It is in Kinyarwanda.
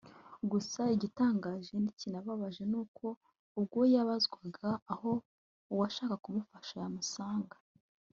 Gusa igitangaje kinababaje n’uko ubwo yabazwaga aho uwashaka kumufasha yamusanga